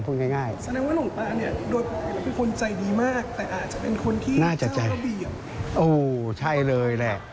คุณผู้ชมฟังเสียงเจ้าอาวาสกันหน่อยค่ะ